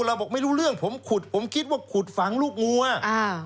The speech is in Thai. เราบอกไม่รู้เรื่องผมขุดผมคิดว่าขุดฝังลูกงัวอ่า